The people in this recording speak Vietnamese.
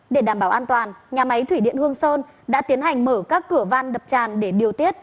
để đảm bảo an toàn nhà máy thủy điện hương sơn đã tiến hành mở các cửa van đập tràn để điều tiết